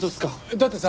だってさ